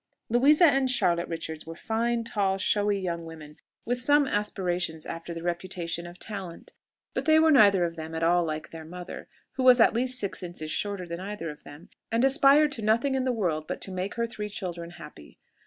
Louisa and Charlotte Richards were fine, tall, showy young women, with some aspirations after the reputation of talent; but they were neither of them at all like their mother, who was at least six inches shorter than either of them, and aspired to nothing in the world but to make her three children happy.